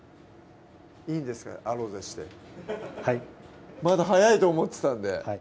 いいんですかアロゼしてはいまだ早いと思ってたんでは